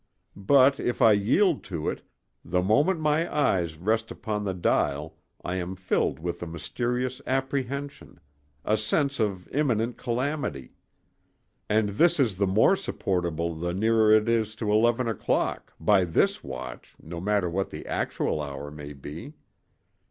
But if I yield to it, the moment my eyes rest upon the dial I am filled with a mysterious apprehension—a sense of imminent calamity. And this is the more insupportable the nearer it is to eleven o'clock—by this watch, no matter what the actual hour may be.